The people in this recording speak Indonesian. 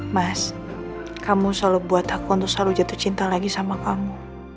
mas kamu selalu buat aku untuk selalu jatuh cinta lagi sama kamu